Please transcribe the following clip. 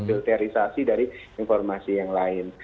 filterisasi dari informasi yang lain